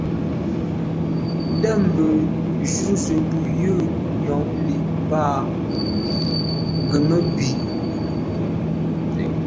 Ndə̂mbə́ jú zə̄ bū jʉ̂ nyɔ̌ŋ lí’ bɑ̌k gə̀ mə́ bí.